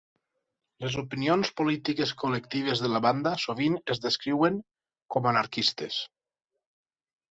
Les opinions polítiques col·lectives de la banda sovint es descriuen com anarquistes.